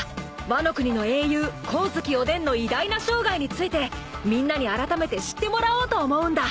ワノ国の英雄光月おでんの偉大な生涯についてみんなにあらためて知ってもらおうと思うんだ。